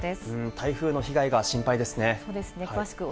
台風の被害が心配ですね。